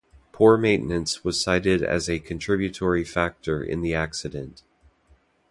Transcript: Poor maintenance was cited as a contributory factor in the accident.